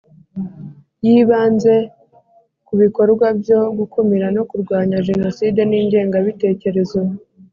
yibanze ku bikorwa byo gukumira no kurwanya Jenoside n ingengabitekerezo